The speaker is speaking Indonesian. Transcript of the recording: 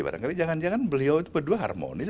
barangkali jangan jangan beliau itu berdua harmonis